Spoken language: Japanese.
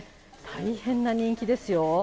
大変な人気ですよ。